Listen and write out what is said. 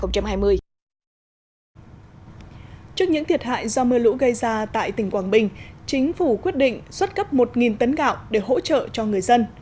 trước những thiệt hại do mưa lũ gây ra tại tỉnh quảng bình chính phủ quyết định xuất cấp một tấn gạo để hỗ trợ cho người dân